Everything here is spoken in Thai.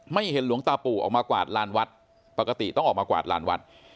เห็นหลวงตาปู่ออกมากวาดลานวัดปกติต้องออกมากวาดลานวัด